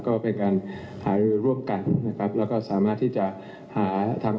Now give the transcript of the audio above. ก็เลยค่ะก็เป็นการหาริจรายร่วมกันนะครับ